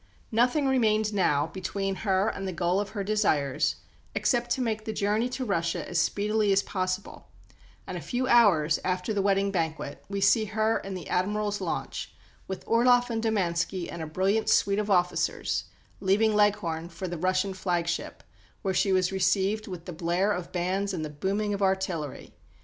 Nothing remained now between her and the goal of her desires, except to make the journey to Russia as speedily as possible, and a few hours after the wedding banquet we see her in the Admiral's launch, with Orloff and Domanski and a brilliant suite of officers, leaving Leghorn for the Russian flagship, where she was received with the blare of bands and the booming of artillery.